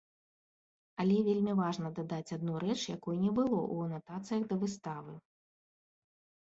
Але вельмі важна дадаць адну рэч, якой не было ў анатацыях да выставы.